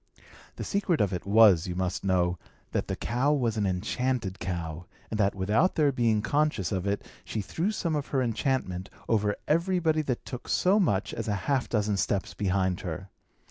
The secret of it was, you must know, that the cow was an enchanted cow, and that, without their being conscious of it, she threw some of her enchantment over everybody that took so much as half a dozen steps behind her.